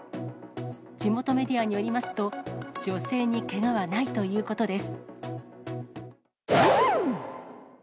地元メディアによりますと、女性にけがはないということです。